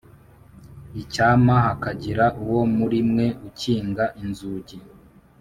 Icyampa hakagira uwo muri mwe ukinga inzugi